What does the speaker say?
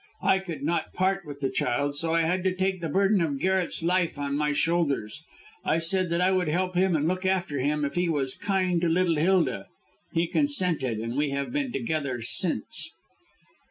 I could not part with the child, so I had to take the burden of Garret's life on my shoulders. I said that I would help him and look after him if he was kind to little Hilda. He consented, and we have been together ever since."